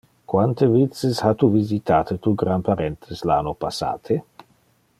Quante vices ha tu visitate tu granparentes le anno passate?